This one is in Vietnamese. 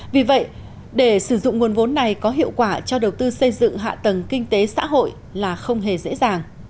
vì vậy để sử dụng nguồn vốn này có hiệu quả cho đầu tư xây dựng hạ tầng kinh tế xã hội là không hề dễ dàng